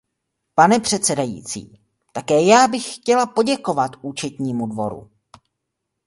Pane předsedající, také já bych chtěla poděkovat Účetnímu dvoru.